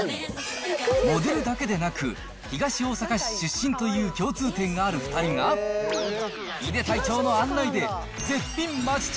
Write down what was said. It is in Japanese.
モデルだけでなく、東大阪市出身という共通点がある２人が、井手隊長の案内で、絶品最高！